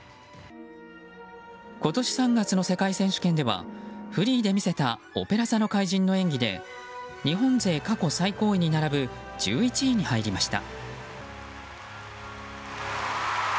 今年３月の世界選手権ではフリーで見せた「オペラ座の怪人」の演技で日本勢過去最高位に並ぶ１１位に入りました。